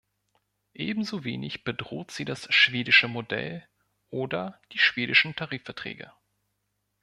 Ebenso wenig bedroht sie das schwedische Modell oder die schwedischen Tarifverträge.